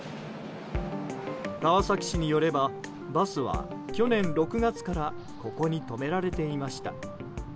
川崎市によれば、バスは去年６月からここに止められていました。